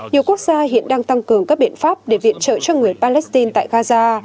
nhiều quốc gia hiện đang tăng cường các biện pháp để viện trợ cho người palestine tại gaza